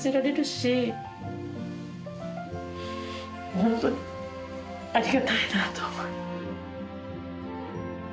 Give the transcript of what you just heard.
本当にありがたいなと思います。